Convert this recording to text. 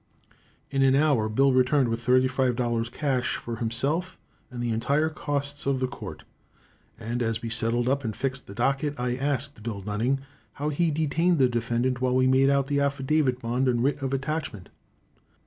In an hour Bill returned with $35 in cash for himself and the entire costs of the court, and as we settled up and fixed the docket I asked Bill Dunning how he detained the defendant while we made out the affidavit bond and writ of attachment.